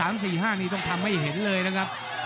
๒๓๔๕นี่ต้องทำไม่เห็นเลยนะครับ